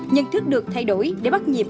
nhân thức được thay đổi để bắt nhịp